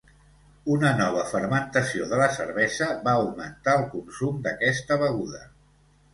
Una nova fermentació de la cervesa va augmentar el consum d'aquesta beguda.